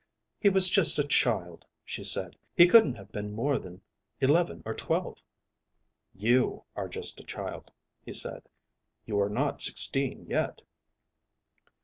"He was just a child," she said. "He couldn't have been more than eleven or twelve." "You are just a child," he said. "You are not sixteen yet."